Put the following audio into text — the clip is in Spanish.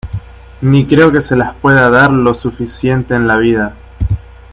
ni creo que se las pueda dar lo suficiente en la vida.